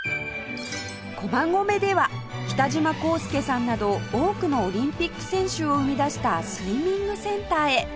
駒込では北島康介さんなど多くのオリンピック選手を生み出したスイミングセンターへ